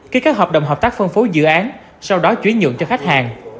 khi các hợp đồng hợp tác phân phối dự án sau đó chú ý nhượng cho khách hàng